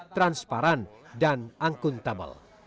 transparan dan akuntabel